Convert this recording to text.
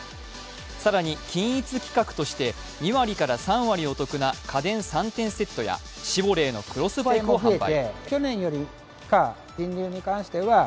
更に均一企画として２割から３割お得な家電３点セットやシボレーのクロスバイクを販売。